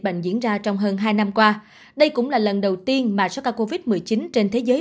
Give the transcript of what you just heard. bệnh diễn ra trong hơn hai năm qua đây cũng là lần đầu tiên mà số ca covid một mươi chín trên thế giới